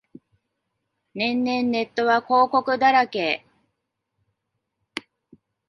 年々ネットは広告だらけ